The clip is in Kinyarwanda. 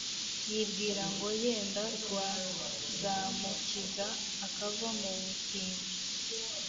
yibwira ngo yenda rwazamukiza akava mu butindi.